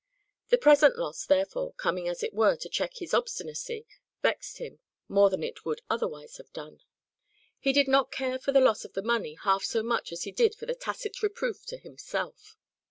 The present loss, therefore, coming as it were, to check his obstinacy, vexed him more than it would otherwise have done. He did not care for the loss of the money half so much as he did for the tacit reproof to himself.